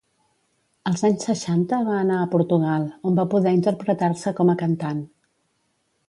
Als anys seixanta va anar a Portugal, on va poder interpretar-se com a cantant.